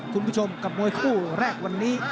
คุณผู้ชมกับมวยคู่แรกวันนี้